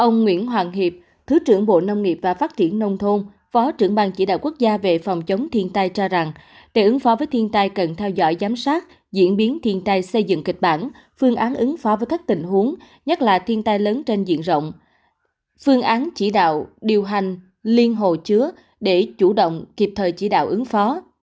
ông nguyễn hoàng hiệp thứ trưởng bộ nông nghiệp và phát triển nông thôn phó trưởng ban chỉ đạo quốc gia về phòng chống thiên tai cho rằng để ứng phó với thiên tai cần theo dõi giám sát diễn biến thiên tai xây dựng kịch bản phương án ứng phó với các tình huống nhất là thiên tai lớn trên diện rộng phương án chỉ đạo điều hành liên hồ chứa để chủ động kịp thời chỉ đạo ứng phó